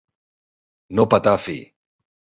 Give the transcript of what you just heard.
No petar fi.